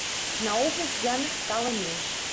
Наогул п'яных стала менш.